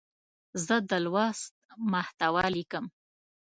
زه د لوست محتوا لیکم.